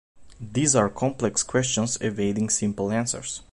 These are complex questions evading simple answers.